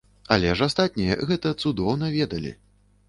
Але ж астатнія гэта цудоўна ведалі!